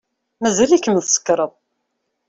Mazal-ikem tsekṛed.